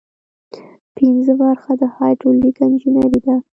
پنځمه برخه د هایدرولیک انجنیری ده.